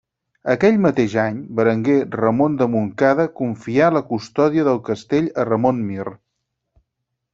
Aquell mateix any, Berenguer Ramon de Montcada confià la custòdia del castell a Ramon Mir.